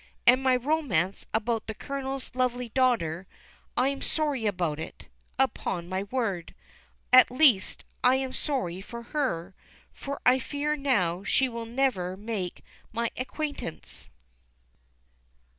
And my romance about the Colonel's lovely daughter I am sorry about it, upon my word. At least, I am sorry for her, for I fear now she will never make my acquaintance.